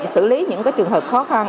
sử lý những trường hợp khó khăn